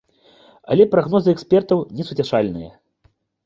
Але прагнозы экспертаў несуцяшальныя.